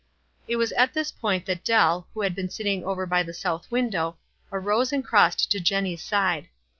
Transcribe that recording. It was at this point that Dell, who had been sitting over by the south window, arose gnd crossed to Jenny's side.